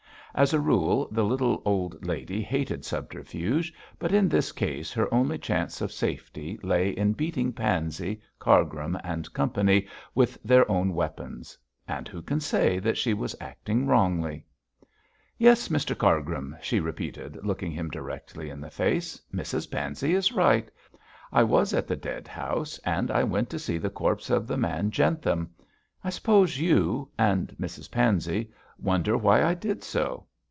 As a rule, the little old lady hated subterfuge, but in this case her only chance of safety lay in beating Pansey, Cargrim and Company with their own weapons. And who can say that she was acting wrongly? 'Yes, Mr Cargrim,' she repeated, looking him directly in the face, 'Mrs Pansey is right. I was at the dead house and I went to see the corpse of the man Jentham. I suppose you and Mrs Pansey wonder why I did so?'